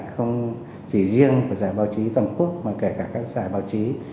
không chỉ riêng của giải báo chí tầm quốc mà kể cả các giải báo chí